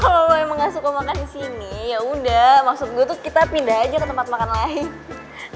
kalo lo emang gak suka makan disini yaudah maksud gue tuh kita pindah aja ke tempat makan lain